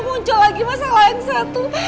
muncul lagi masalah yang satu